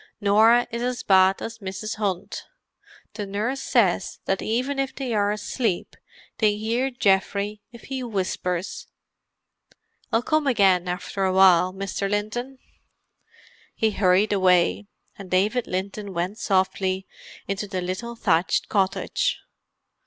Norah is as bad as Mrs. Hunt; the nurse says that even if they are asleep they hear Geoffrey if he whispers. I'll come again after a while, Mr. Linton." He hurried away, and David Linton went softly into the little thatched cottage.